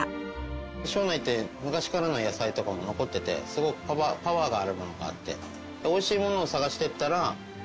庄内って昔からの野菜とかも残っていてすごくパワーがあるものがあって。